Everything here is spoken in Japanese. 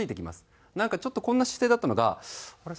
なんかちょっとこんな姿勢だったのが「あれ？